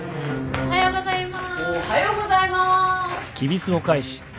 おはようございます。